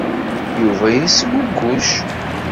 Yuba yesguguc.